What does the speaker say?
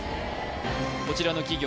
こちらの企業